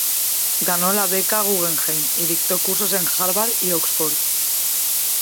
Ganó la Beca Guggenheim y dictó cursos en Harvard y Oxford.